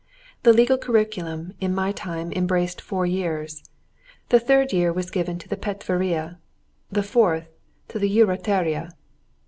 The legal curriculum in my time embraced four years. The third year was given to the patveria, the fourth year to the jurateria.